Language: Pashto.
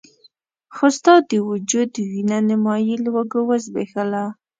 خو ستا د وجود وينه نيمایي لوږو وزبېښله.